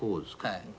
はい。